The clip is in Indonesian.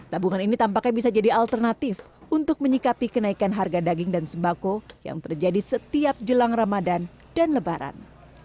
tabungan ini tampaknya bisa jadi alternatif untuk menyikapi kenaikan harga daging dan sembako yang terjadi setiap jelang ramadan dan lebaran